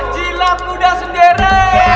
jilat muda sendiri